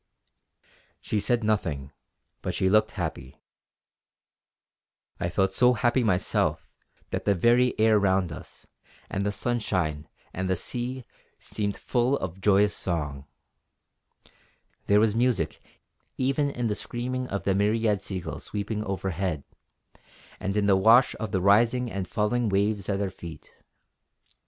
She said nothing, but she looked happy. I felt so happy myself that the very air round us, and the sunshine, and the sea, seemed full of joyous song. There was music even in the screaming of the myriad seagulls sweeping overhead, and in the wash of the rising and falling waves at our feet.